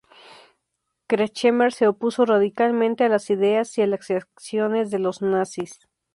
Kretschmer se opuso radicalmente a las ideas y acciones de los nazis.